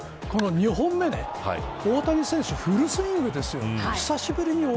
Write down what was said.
特に今日、２本目大谷選手、フルスイングですよ。